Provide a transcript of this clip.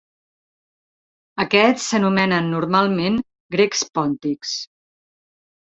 Aquests s'anomenen normalment Grecs Pòntics.